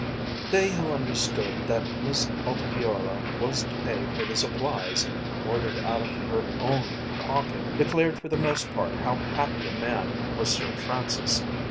They who understood that Miss Altifiorla was to pay for the supplies ordered out of her own pocket declared for the most part how happy a man was Sir Francis.